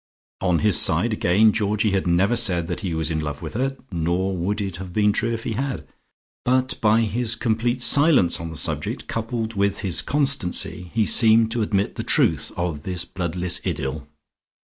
On his side again Georgie had never said that he was in love with her (nor would it have been true if he had), but by his complete silence on the subject coupled with his constancy he seemed to admit the truth of this bloodless idyll.